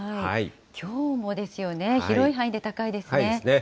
きょうもですよね、広い範囲で高いですね。